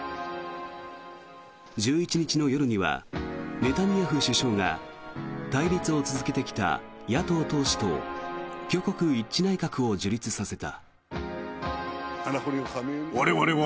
１１日の夜にはネタニヤフ首相が対立を続けてきた野党党首と挙国一致内閣を樹立させた。